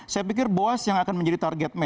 saya pikir bos yang akan menjadi target